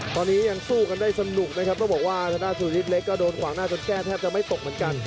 ตอนนี้ยังสู้กันได้สนุกนะครับต้องบอกว่าทางด้านสุริยเล็กก็โดนขวางหน้าจนแก้แทบจะไม่ตกเหมือนกัน